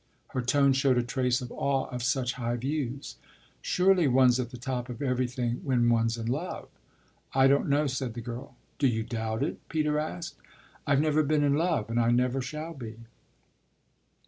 Her tone showed a trace of awe of such high views. "Surely one's at the top of everything when one's in love." "I don't know," said the girl. "Do you doubt it?" Peter asked. "I've never been in love and I never shall be."